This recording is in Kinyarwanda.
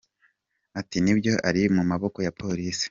Ati “ Nibyo ari mu maboko ya Polisi.